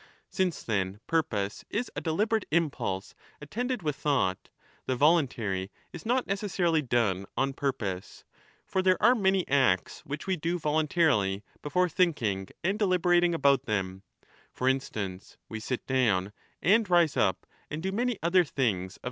Since, then, purpose is a deliberate impulse attended with thought, the voluntary is not necessarily done on purpose. For there are many acts which we do voluntarily before thinking and deliberating about them ; for instance, we sit down and rise up, and do many other things of the 13 16 = E.